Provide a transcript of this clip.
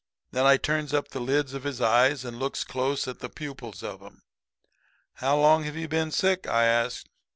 Then I turns up the lids of his eyes and looks close at the pupils of 'em. "'How long have you been sick?' I asked.